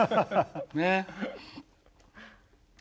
ねえ。